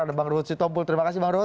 ada bang rut sitompul terima kasih bang rut